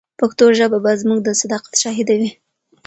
پښتو ژبه به زموږ د صداقت شاهده وي.